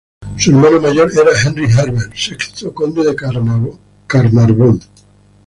Su hermano mayor era Henry Herbert, sexto conde de Carnarvon.